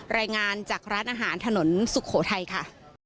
รายงานจากร้านอาหารถนนสุโขทัยค่ะ